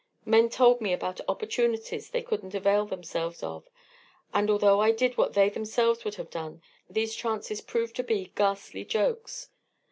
Men told me about opportunities they couldn't avail themselves of, and, although I did what they themselves would have done, these chances proved to be ghastly jokes.